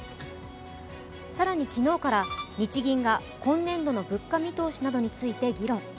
更に昨日から日銀が今年度の物価見通しなどについて議論。